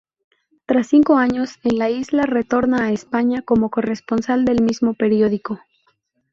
Tras cinco años en la isla, retorna a España como corresponsal del mismo periódico.